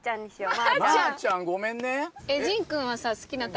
まぁちゃんごめんね。